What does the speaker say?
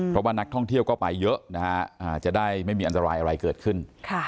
เพราะว่านักท่องเที่ยวก็ไปเยอะนะฮะจะได้ไม่มีอันตรายอะไรเกิดขึ้น